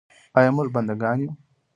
آیا موږ بنده ګان یو؟